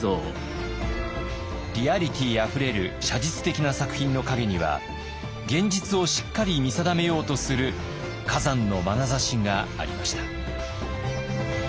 リアリティーあふれる写実的な作品の陰には現実をしっかりと見定めようとする崋山の眼差しがありました。